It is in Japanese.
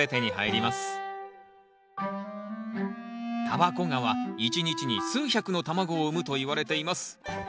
タバコガは一日に数百の卵を産むといわれています。